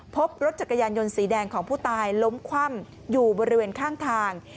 พบรถจักรยานยนต์สีแดงของผู้ตายล้มคว่ำอยู่บริเวณข้างทาง